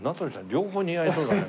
両方似合いそうだね。